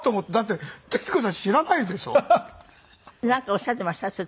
なんかおっしゃってました？